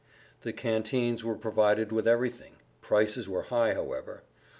The canteens were provided with everything; prices were high, however.